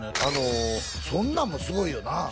あのそんなんもすごいよな